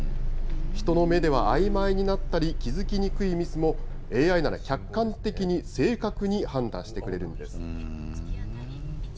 人の目ではあいまいになったり、気付きにくいミスも、ＡＩなら客観的に正確に判断してくれるんです。